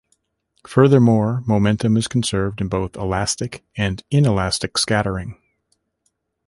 Furthermore, momentum is conserved in both elastic and inelastic scattering.